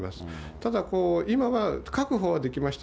ただ、今は確保はできました。